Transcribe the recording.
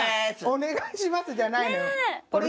「お願いしまぁす」じゃないのよ。